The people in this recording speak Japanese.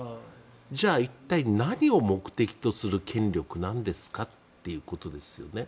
じゃあ、一体何を目的とする権力なんですかということです。